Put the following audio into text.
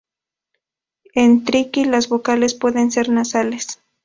En triqui las vocales pueden ser nasales.